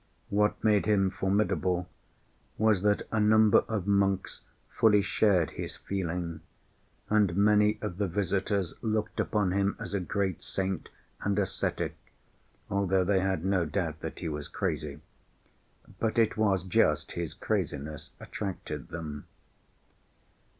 What made him formidable was that a number of monks fully shared his feeling, and many of the visitors looked upon him as a great saint and ascetic, although they had no doubt that he was crazy. But it was just his craziness attracted them.